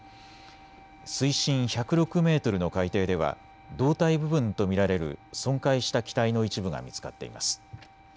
水深１０６メートルの海底では胴体部分と見られる損壊した機体の一部が見つかっています。